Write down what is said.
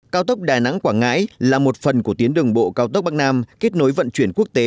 cao tốc đà nẵng quảng ngãi là một phần của tuyến đường bộ cao tốc bắc nam kết nối vận chuyển quốc tế